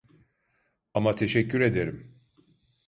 Ama teşekkür ederim.